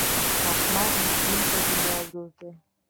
احمد مې دین په دنیا ورور دی.